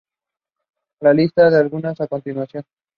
Se listan algunas a continuación